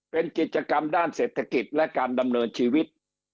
เป็นกิจกรรมด้านเศรษฐกิจและการดำเนินชีวิต